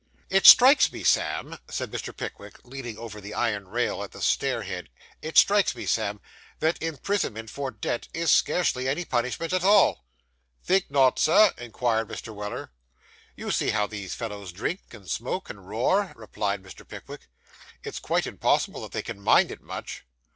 'It strikes me, Sam,' said Mr. Pickwick, leaning over the iron rail at the stair head, 'it strikes me, Sam, that imprisonment for debt is scarcely any punishment at all.' 'Think not, sir?' inquired Mr. Weller. 'You see how these fellows drink, and smoke, and roar,' replied Mr. Pickwick. 'It's quite impossible that they can mind it much.